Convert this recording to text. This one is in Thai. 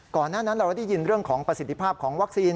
ก่อนหน้านั้นเราได้ยินเรื่องของประสิทธิภาพของวัคซีน